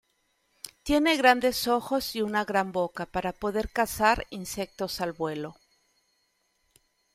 Tiene grandes ojos y una gran boca para poder cazar insectos al vuelo.